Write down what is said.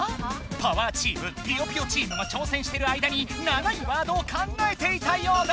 パワーチームぴよぴよチームが挑戦してる間に長いワードを考えていたようだ。